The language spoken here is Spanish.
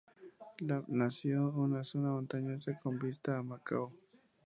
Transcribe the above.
Lamb nació en una zona montañosa con vista a Macao.